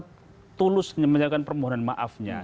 tulus menjawabkan permohonan maafnya